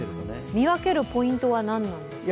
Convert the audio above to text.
見分けるポイントは何なんですか？